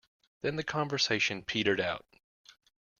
Then the conversation petered out.